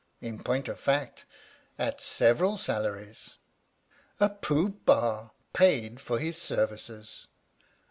In point of fact, at several salaries! A Pooh Bah paid for his services!